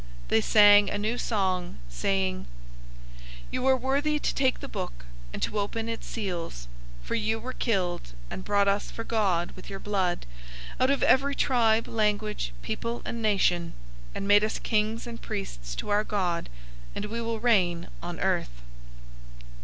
005:009 They sang a new song, saying, "You are worthy to take the book, and to open its seals: for you were killed, and bought us for God with your blood, out of every tribe, language, people, and nation, 005:010 and made us kings and priests to our God, and we will reign on earth."